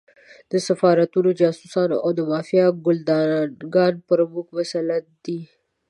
د سفارتونو جاسوسان او د مافیا ګُلډانګان پر موږ مسلط دي.